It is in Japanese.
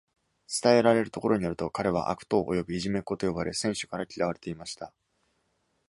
伝えられるところによると、彼は「悪党」および「いじめっこ」と呼ばれ、選手から嫌われていました。